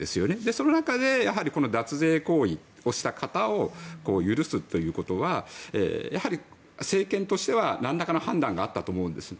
その中でこの脱税行為をした方を許すということはやはり、政権としてはなんらかの判断があったと思うんです。